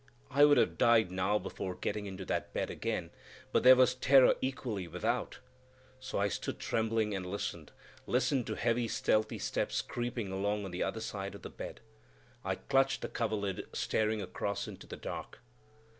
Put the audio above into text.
I would have died now before getting into that bed again; but there was terror equally without; so I stood trembling and listened,—listened to heavy, stealthy steps creeping along on the other side of the bed. I clutched the coverlid, staring across into the dark.